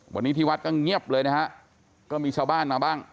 วันนี้ที่วัดก็เงียบเลยนะฮะก็มีชาวบ้านมาบ้าง